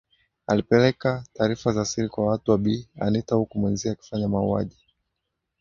Alipeleka taarifa za siri kwa watu wa Bi Anita huku mwenzie akifanya mauaji